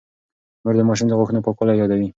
مور د ماشوم د غاښونو پاکوالی يادوي.